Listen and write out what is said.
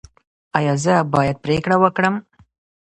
ایا زه باید پریکړه وکړم؟